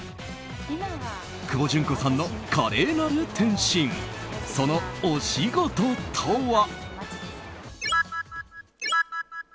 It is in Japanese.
久保純子さんの華麗なる転身そのお仕事とは。